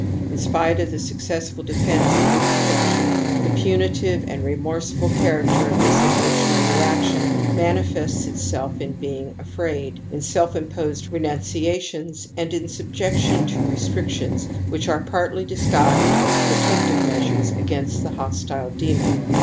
In spite of the successful defence through projection, the punitive and remorseful character of this emo tional reaction manifests itself in being afraid, in self imposed renunciations and in subjection to restrictions which are partly disguised as pro tective measures against the hostile demon.